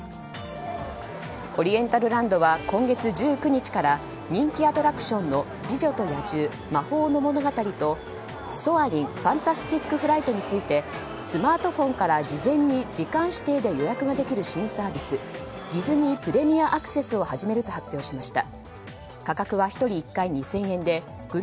オリエンタルランドは今月１９日から人気アトラクションの美女と野獣“魔法のものがたり”とソアリン：ファンタスティック・フライトについて、スマートフォンから事前に時間指定で予約できる新サービスディズニー・プレミアアクセスを始めると発表しました。